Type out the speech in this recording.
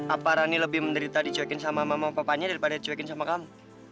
apa rani lebih menderita dicuekin sama mama papanya daripada dicuekin sama kamu